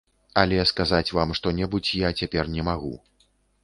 Але сказаць вам што-небудзь я цяпер не магу.